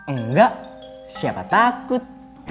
enggak siapa takut